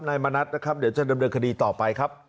นายมณัฐนะครับเดี๋ยวจะดำเนินคดีต่อไปครับ